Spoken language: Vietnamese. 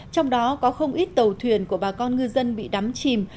trong đó có không ít tàu thuyền của bà con ngư dân bị đắm chìm